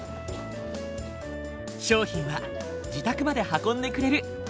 商品は自宅まで運んでくれる。